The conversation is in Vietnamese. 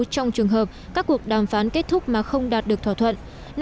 trong trường hợp các cuộc đàm phán kết thúc mà không đạt được thỏa thuận